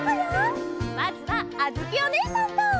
まずはあづきおねえさんと。